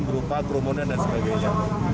berupa kerumunan dan sebagainya